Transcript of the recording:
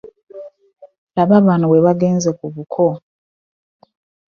Laba banno bwe baagenze ku buko.